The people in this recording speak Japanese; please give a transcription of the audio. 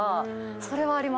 それはありますね。